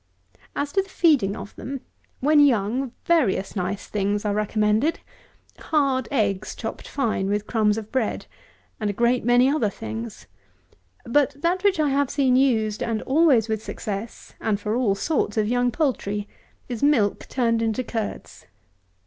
172. As to the feeding of them, when young, various nice things are recommended. Hard eggs chopped fine, with crumbs of bread, and a great many other things; but that which I have seen used, and always with success, and for all sorts of young poultry, is milk turned into curds.